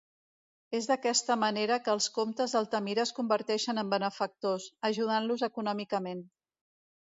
És d'aquesta manera que els Comtes d'Altamira es converteixen en benefactors, ajudant-los econòmicament.